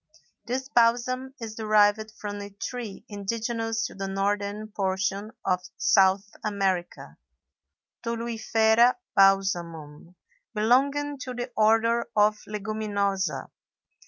This balsam is derived from a tree indigenous to the northern portion of South America, Toluifera Balsamum, belonging to the Order of Leguminosæ.